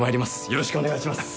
よろしくお願いします。